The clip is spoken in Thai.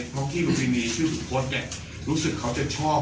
เพราะที่ลุมพินีชื่อสุขสรู้สึกเขาจะชอบ